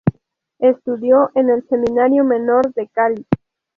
Estudió en el Seminario Menor de Cali.